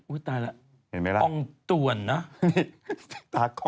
อุ๊ยตายแล้วองต่วนนะอุ๊ยตายแล้วเห็นไหมล่ะ